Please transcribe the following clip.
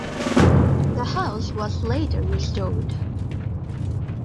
The house was later restored.